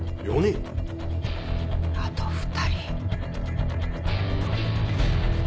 あと２人。